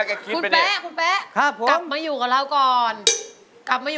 คุณแป๊ะคุณแป๊ะับมาอยู่กับเราก่อนนะครับ